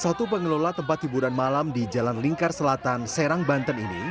salah satu pengelola tempat hiburan malam di jalan lingkar selatan serang banten ini